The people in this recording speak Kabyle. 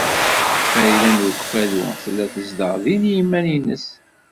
Farida n Ukeffadu tella tezdeɣ din i yiman-nnes.